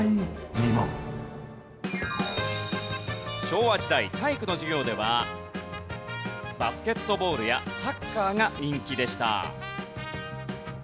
昭和時代体育の授業ではバスケットボールやサッカーが人気でした。